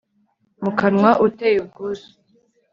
mu kanwa uteye ubwuzu